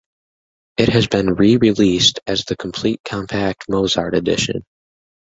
It has been re-released as the "Complete Compact Mozart Edition".